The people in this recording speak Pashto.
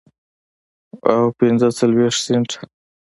او پنځه څلوېښت سنټه